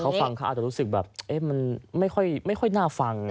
เขาฟังเขาอาจจะรู้สึกแบบมันไม่ค่อยน่าฟัง